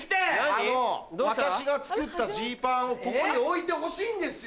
あの私が作ったジーパンをここに置いてほしいんですよ！